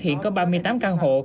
hiện có ba mươi tám căn hộ